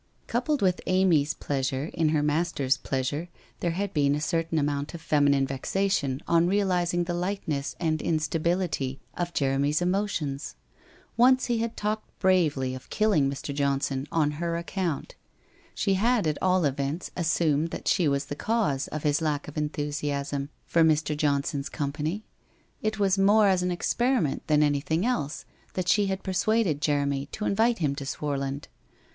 Coupled with Amy's pleasure in her master's pleasure, there had been a certain amount of feminine vexation on realizing the lightness and instability of Jeremy's emotions. Once he had talked bravely of killing Mr. Johnson on her account. She had at all events assumed that she was the cause of his lack of enthusiasm for Mr. Johnson's company. It was more as an experiment than anything else that she had persuaded Jeremy to invite him to Swarland.